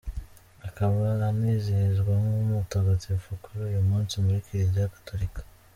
Akaba anizihizwa nk’umutagatifu kuri uyu munsi muri Kiliziya Gatolika.